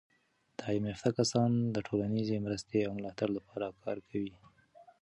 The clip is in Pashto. تعلیم یافته کسان د ټولنیزې مرستې او ملاتړ لپاره کار کوي.